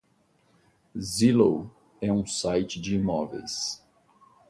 Zillow é um site de imóveis.